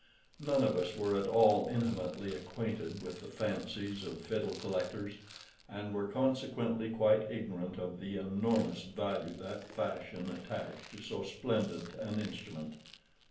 None of us were at all intimately acquainted with the fancies of fiddle collectors, and were consequently quite ignorant of the enormous value that fashion attached to so splendid an instrument.